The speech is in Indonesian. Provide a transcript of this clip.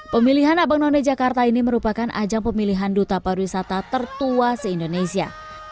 pemilihan abang none jakarta ini merupakan ajang pemilihan duta pariwisata tertua se indonesia